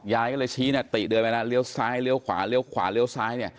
ยายก็เลยชี้ติเดินไปนะเรียวซ้ายเรียวขวาเรียวขวาเรียวซ้ายเนี่ย